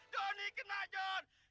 doni kena john